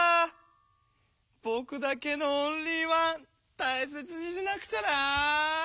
ぼくだけのオンリーワンたいせつにしなくちゃな。